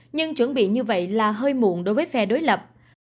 nhưng chuẩn bị như vậy là hơi muộn đối với phe đối lập